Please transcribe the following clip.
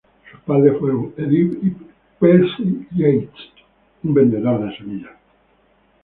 Sus padres fueron Edith y Percy Yates, un vendedor de semillas.